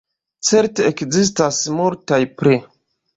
Certe ekzistas multaj pli.